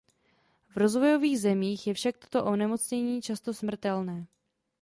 V rozvojových zemích je však toto onemocnění často smrtelné.